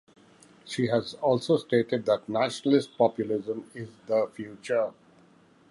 She has also stated that "nationalist populism is the future".